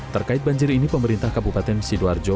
terkait banjir ini pemerintah kabupaten sidoarjo